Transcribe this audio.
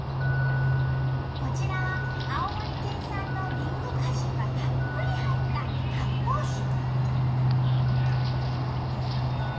こちらは青森県産のりんご果汁がたっぷり入った発泡酒。